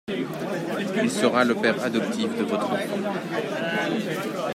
Il sera le père adoptif de votre enfant.